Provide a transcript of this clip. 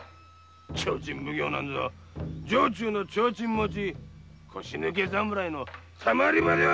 提灯奉行なんぞ城中の提灯持ち腰抜け侍のたまり場ではないか！